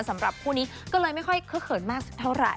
สำหรับคู่นี้ก็เลยไม่ค่อยเคลือเขินมากเท่าไร